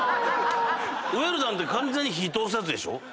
ウェルダンって完全に火通すやつでしょ？